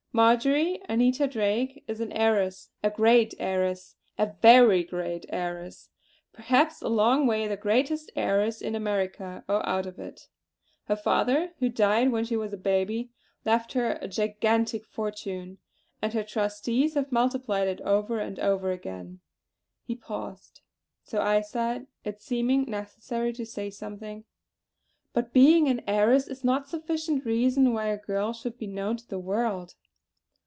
Marjory Anita Drake is an heiress, a great heiress, a very great heiress; perhaps a long way the greatest heiress in America, or out of it. Her father, who died when she was a baby, left her a gigantic fortune; and her trustees have multiplied it over and over again." He paused; so I said it seeming necessary to say something: "But being an heiress is not sufficient reason why a girl should be known to the world."